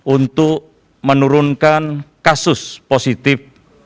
untuk menurunkan kasus positif